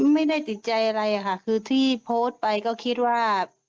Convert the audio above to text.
ไม่ได้ติดใจอะไรค่ะคือที่โพสต์ไปก็คิดว่า